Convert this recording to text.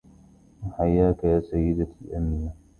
وحيك يا سيدتي أمينة